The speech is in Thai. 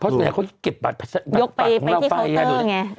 เพราะส่วนใหญ่เขาจะเก็บบัตรยกไปไปที่เคาน์เตอร์ไงอืม